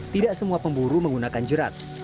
tidak semua pemburu menggunakan jerat